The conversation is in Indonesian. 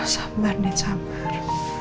sabar net sabar